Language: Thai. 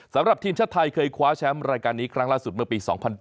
สำหรับทีมชาติไทยเคยคว้าแชมป์รายการนี้ครั้งล่าสุดเมื่อปี๒๐๐๗